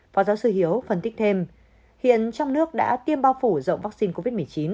phó giáo sư hiếu phân tích thêm hiện trong nước đã tiêm bao phủ rộng vaccine covid một mươi chín